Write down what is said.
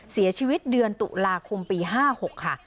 เสียชีวิตเดือนตุลาคมปี๕๖ค่ะ